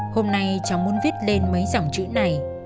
hôm nay cháu muốn viết lên mấy dòng chữ này